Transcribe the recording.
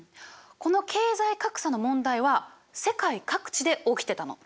この経済格差の問題は世界各地で起きてたの。